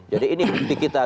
jadi ini bukti kita